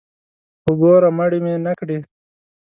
خو ګوره مړ مې نکړې.